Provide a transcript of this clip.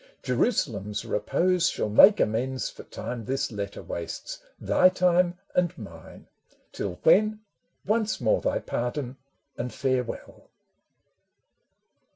Jerusalem's repose shall make amends For time this letter wastes, thy time and mine ; Till when, once more thy pardon and farewell